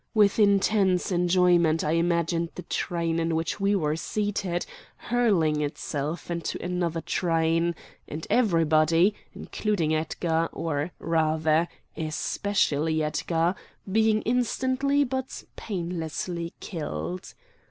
With intense enjoyment I imagined the train in which we were seated hurling itself into another train; and everybody, including Edgar, or, rather, especially Edgar, being instantly but painlessly killed.